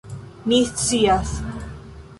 Mi scias.